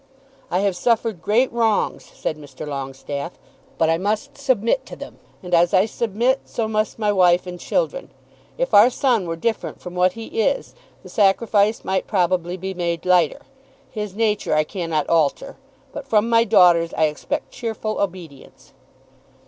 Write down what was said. "I have suffered great wrongs," said Mr. Longestaffe, "but I must submit to them, and as I submit so must my wife and children. If our son were different from what he is the sacrifice might probably be made lighter. His nature I cannot alter, but from my daughters I expect cheerful obedience."